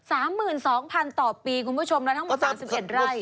ไม่นะ๓๒๐๐๐ต่อปีคุณผู้ชมนะทั้งหมด๓๑ไร่